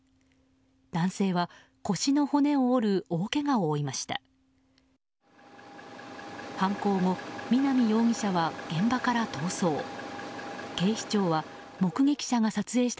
男性は腰の骨を折る大けがを負いました。